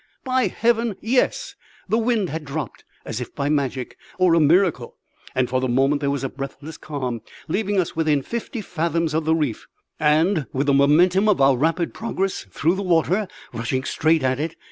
By Heaven, yes! The wind had dropped, as if by magic, or a miracle, and for the moment there was a breathless calm, leaving us within fifty fathoms of the reef and, with the momentum of our rapid progress through the water, rushing straight at it.